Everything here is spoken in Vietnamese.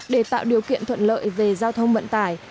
để tạo điều kiện thuận lợi về giao thông vận tải